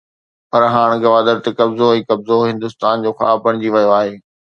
پر هاڻ گوادر تي قبضو ۽ قبضو هندستان جو خواب بڻجي ويو آهي.